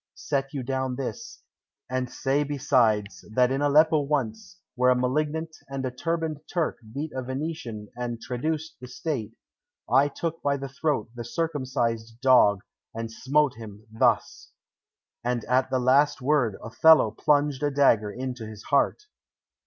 Set you down this; and say besides, that in Aleppo once, where a malignant and a turbaned Turk beat a Venetian and traduced the State, I took by the throat the circumcised dog, and smote him thus." And at the last word Othello plunged a dagger into his heart.